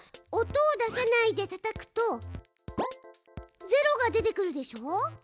音を出さないでたたくと「０」が出てくるでしょ。